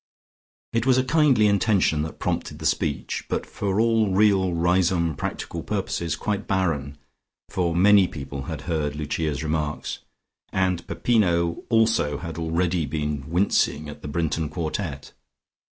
It was a kindly intention that prompted the speech, but for all real Riseholme practical purposes, quite barren, for many people had heard Lucia's remarks, and Peppino also had already been wincing at the Brinton quartet.